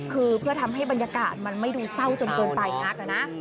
คือเพื่อทำให้บรรยากาศมันไม่ดูเศร้าจนเกินไปนักนะ